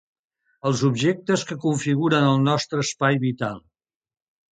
Els objectes que configuren el nostre espai vital.